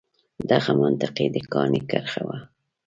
دغه منطق یې د کاڼي کرښه وه.